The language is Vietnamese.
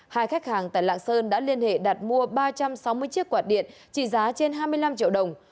hai khách hàng tại lạng sơn đã liên hệ đặt mua ba trăm sáu mươi chiếc quạt điện trị giá trên hai mươi năm triệu đồng